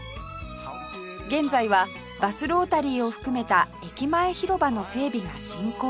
現在はバスロータリーを含めた駅前広場の整備が進行中